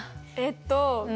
えっと。